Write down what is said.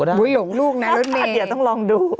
เดี๋ยวต้องลองดู